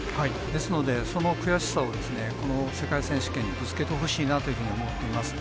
ですのでその悔しさをですねこの世界選手権にぶつけてほしいなというふうに思っています。